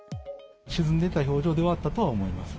沈んでた表情ではあったと思います。